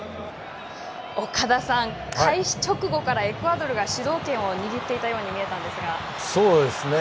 岡田さん、開始からエクアドルが主導権を握っていたように見えたんですが。